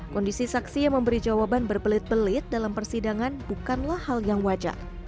kondisi saksi yang memberi jawaban berbelit belit dalam persidangan bukanlah hal yang wajar